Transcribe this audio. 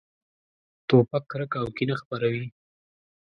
توپک کرکه او کینه خپروي.